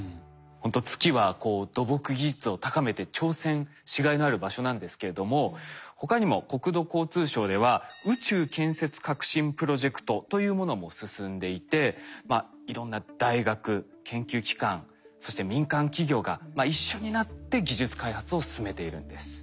ほんと月はこう土木技術を高めて挑戦しがいのある場所なんですけれども他にも国土交通省では宇宙建設革新プロジェクトというものも進んでいていろんな大学研究機関そして民間企業が一緒になって技術開発を進めているんです。